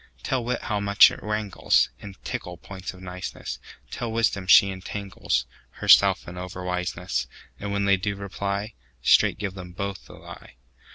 Tell wit how much it wranglesIn tickle points of niceness; Tell wisdom she entanglesHerself in over wiseness:And when they do reply, Straight give them both the lie.